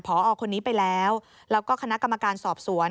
พอคนนี้ไปแล้วแล้วก็คณะกรรมการสอบสวน